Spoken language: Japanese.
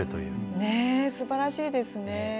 ねえすばらしいですね。